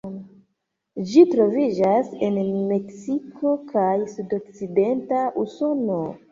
Ĝi troviĝas en Meksiko kaj sudokcidenta Usono.